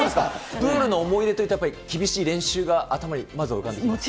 プールの思い出というと、厳しい練習が頭にまずは浮かんできますか。